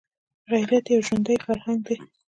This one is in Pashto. غیرت یو ژوندی فرهنګ دی